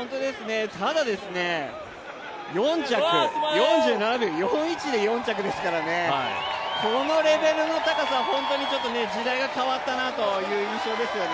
ただ、４着、４７秒４１で４着ですからね、このレベルの高さは本当に時代が変わったなという印象ですよね。